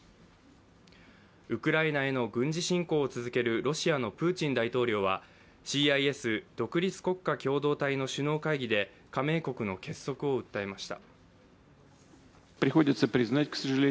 ウクライナへの軍事侵攻を続けるロシアのプーチン大統領はＣＩＳ＝独立国家共同体の首脳会議で加盟国の結束を訴えました。